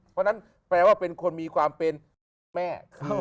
เพราะฉะนั้นแปลว่าเป็นคนมีความเป็นลูกแม่